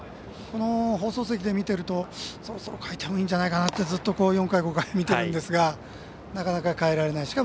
この放送席で見ているとそろそろ代えてもいいんじゃないかなとずっと４回、５回見てるんですがなかなか、代えられない。